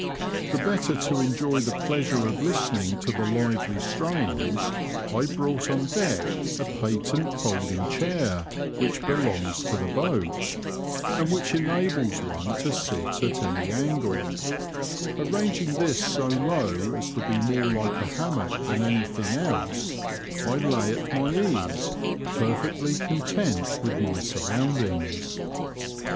The better to enjoy the pleasure of listening to the lively strains, I brought on deck a patent folding chair which belongs to the boat, and which enables one to sit at any angle ; arranging this so low as to be more like a hammock than anything else, I lay at my ease perfectly content with my surroundings.